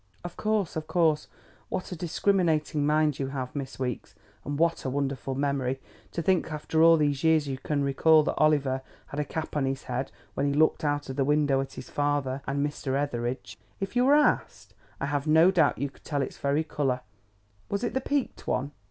"Of course, of course. What a discriminating mind you have, Miss Weeks, and what a wonderful memory! To think that after all these years you can recall that Oliver had a cap on his head when he looked out of the window at his father and Mr. Etheridge. If you were asked, I have no doubt you could tell its very colour. Was it the peaked one?